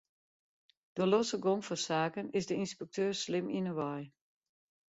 De losse gong fan saken is de ynspekteur slim yn 'e wei.